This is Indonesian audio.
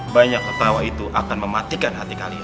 banyak ketawa itu akan mematikan hati kalian